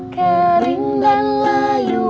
kering dan layu